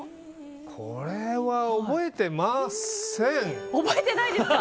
これは覚えてません。